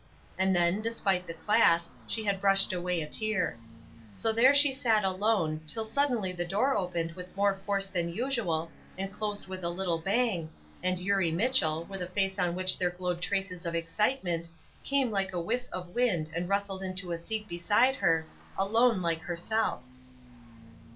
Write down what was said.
and then, despite the class, she had brushed away a tear. So there she sat alone, till suddenly the door opened with more force than usual, and closed with a little bang, and Eurie Mitchell, with a face on which there glowed traces of excitement, came like a whiff of wind and rustled into a seat beside her, alone like herself.